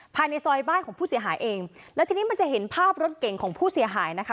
ภายในซอยบ้านของผู้เสียหายเองแล้วทีนี้มันจะเห็นภาพรถเก่งของผู้เสียหายนะคะ